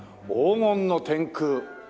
「黄金の天空」